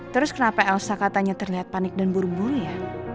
terus kenapa elsa katanya terlihat panik dan buru buru ya